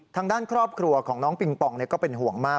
ทางด้านครอบครัวของน้องปิงปองก็เป็นห่วงมาก